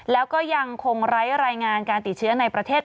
แล้วก็ยังคงไร้รายงานการติดเชื้อในประเทศ